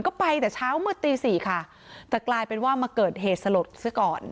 ก็ไปแต่เช้ามืดตีสี่ค่ะแต่กลายเป็นว่ามาเกิดเหตุสลดซะก่อน